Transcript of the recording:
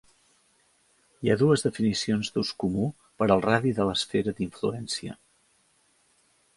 Hi ha dues definicions d'ús comú per al radi de l'esfera d'influència.